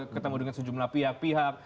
ketemu dengan sejumlah pihak pihak